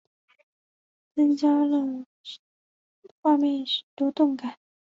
增加了画面许多动感